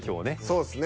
そうっすね。